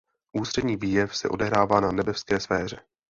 Ústřední výjev se odehrává na nebeské sféře.